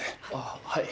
はい。